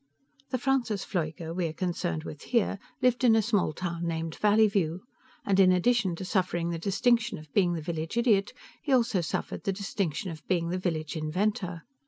The Francis Pfleuger we are concerned with here lived in a small town named Valleyview, and in addition to suffering the distinction of being the village idiot, he also suffered the distinction of being the village inventor.